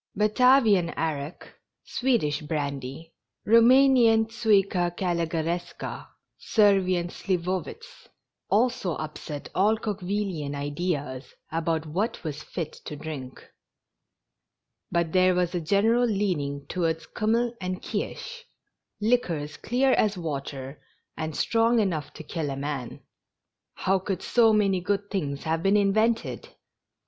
Batavian arrack, Swedish brandy, Roumanian tuica calugaresca, Servian sliwowitz, also upset all Coque villi an ideas about what was fit to drink; but there was a general leaning towards kiimmel and kirsch, liquors clear as water and strong enough to kill a man. How could so many good things have been invented